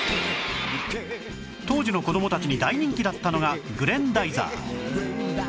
当時の子どもたちに大人気だったのが『グレンダイザー』